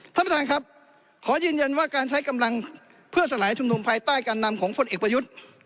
ท่านประธานครับขอยืนยันว่าการใช้กำลังเพื่อสลายชุมนุมภายใต้การนำของผลเอกประยุทธ์